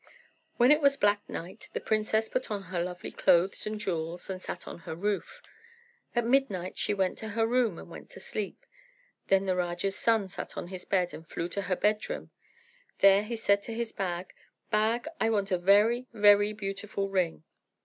When it was black night, the princess put on her lovely clothes and jewels, and sat on her roof. At midnight she went to her room and went to sleep. Then the Raja's son sat on his bed and flew to her bed room. There he said to his bag, "Bag, I want a very, very beautiful ring."